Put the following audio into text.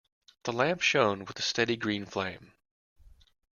The lamp shone with a steady green flame.